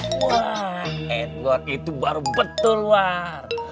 wah edward itu baru betul war